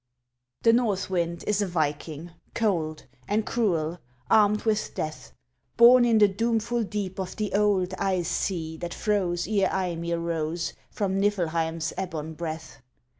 The North Wind is a Viking cold And cruel, armed with death! Born in the doomful deep of the old Ice Sea that froze ere Ymir rose From Niflheim's ebon breath.